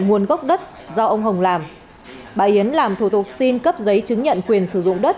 nguồn gốc đất do ông hồng làm bà yến làm thủ tục xin cấp giấy chứng nhận quyền sử dụng đất